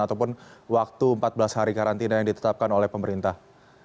ataupun waktu empat belas hari karantina yang ditetapkan oleh pemerintah